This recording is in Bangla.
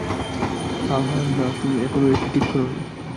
হ্যাঁ, হ্যাঁ - না তুমি এখনও এটি ঠিক করোনি?